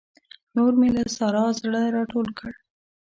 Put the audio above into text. نور مې له سارا زړه راټول کړ.